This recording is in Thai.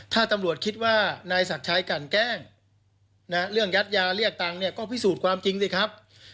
ถ้าตำรวจคิดว่านายศักดิ์ชัยกันแกล้งเรื่องยัดยาเรียกตังค์เนี่ยก็พิสูจน์ความจริงสิครับ